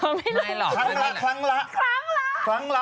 ไม่หรอกครั้งละครั้งละ